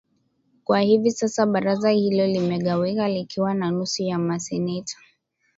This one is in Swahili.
Kwa hivi sasa baraza hilo limegawika likiwa na nusu ya maseneta